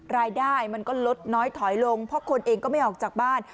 รายได้มันก็ลดน้อยถอยลงเพราะคนเองก็ไม่ออกจากบ้าน